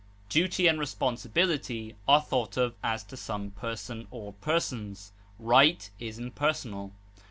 Duty and responsibility are thought of as to some person or persons; right is impersonal.